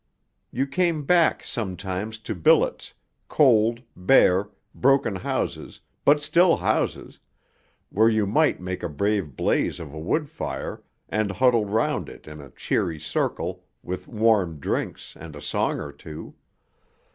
You came back sometimes to billets, cold, bare, broken houses, but still houses, where you might make a brave blaze of a wood fire and huddle round it in a cheery circle with warm drinks and a song or two.